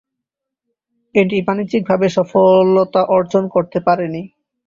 এটি বাণিজ্যিকভাবে সফলতা অর্জন করতে পারে নি।